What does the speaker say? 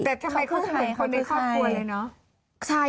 แต่เขาคือใครเขาเป็นใคร